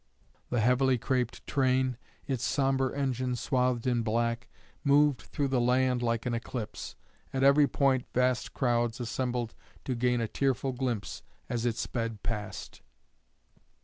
The heavily craped train, its sombre engine swathed in black, moved through the land like an eclipse. At every point vast crowds assembled to gain a tearful glimpse as it sped past.